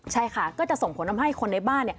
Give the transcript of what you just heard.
ใช่ค่ะก็จะส่งผลทำให้คนในบ้าน